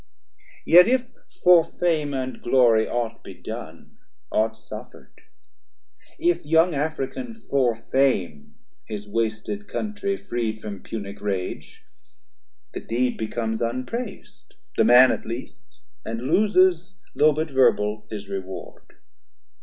Yet if for fame and glory aught be done, 100 Aught suffer'd; if young African for fame His wasted Country freed from Punic rage, The deed becomes unprais'd, the man at least, And loses, though but verbal, his reward.